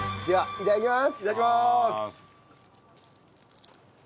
いただきます。